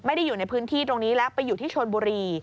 อยู่ในพื้นที่ตรงนี้แล้วไปอยู่ที่ชนบุรี